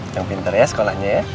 yang pinter ya sekolahnya ya